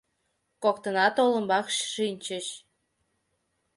Коктынат олымбак шинчыч.